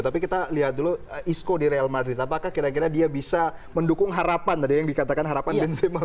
tapi kita lihat dulu isco di real madrid apakah kira kira dia bisa mendukung harapan tadi yang dikatakan harapan bin